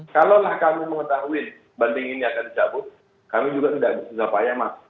kalau lah kami mengetahuin banding ini akan dicabut kami juga tidak bisa payah mas